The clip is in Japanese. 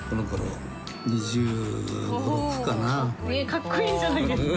かっこいいじゃないですか。